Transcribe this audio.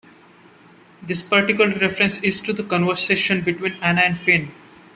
This particular reference is to a conversation between Anna and Fynn.